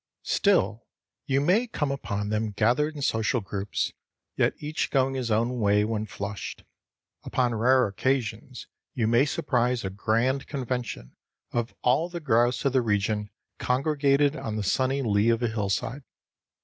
Still, you may come upon them gathered in social groups, yet each going his own way when flushed. Upon rare occasions you may surprise a grand convention of all the grouse of the region congregated on the sunny lee of a hillside.